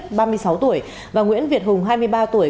nguyễn mạnh quyết ba mươi sáu tuổi và nguyễn việt hùng hai mươi ba tuổi